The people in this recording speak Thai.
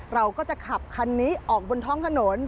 เราก็จะขับคันนี้ออกบนท้องถนน